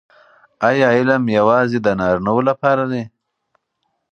آیا علم یوازې د نارینه وو لپاره دی؟